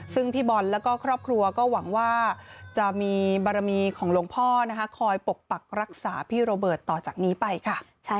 ซึ่งพี่บอลแล้วก็ครอบครัวก็หวังว่าจะมีบารมีของหลวงพ่อคอยปกปักรักษาพี่โรเบิร์ตต่อจากนี้ไปค่ะ